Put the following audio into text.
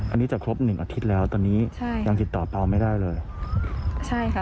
อันนี้จะครบหนึ่งอาทิตย์แล้วตอนนี้ใช่ยังติดต่อไม่ได้เลยใช่ค่ะ